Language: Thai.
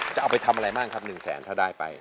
จะเอาไปทำอะไรบ้างครับ๑แสนถ้าได้ไป